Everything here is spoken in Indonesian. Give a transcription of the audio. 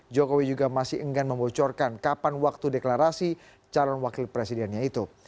jokowi juga masih enggan membocorkan kapan waktu deklarasi calon wakil presidennya itu